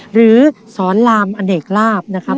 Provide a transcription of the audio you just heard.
หรือสอนลามอเนกลาบนะครับ